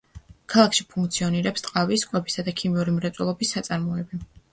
ქალაქში ფუნქციონირებს ტყავის, კვებისა და ქიმიური მრეწველობის საწარმოები.